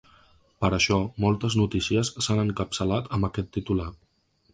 Per això, moltes notícies s’han encapçalat amb aquest titular.